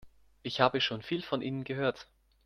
Ich habe schon viel von Ihnen gehört.